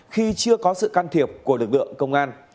khi chưa có sự can thiệp của lực lượng công an